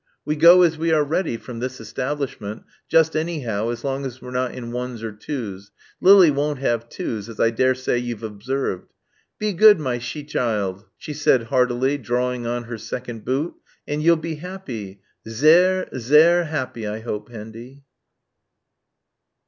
"We go as we are ready, from this establishment, just anyhow as long as we're not in ones or twos Lily won't have twos, as I dare say you've observed. Be good, my che hild," she said heartily, drawing on her second boot, "and you'll be happy sehr sehr happy, I hope, Hendy."